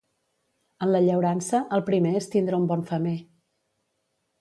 En la llaurança, el primer és tindre un bon femer.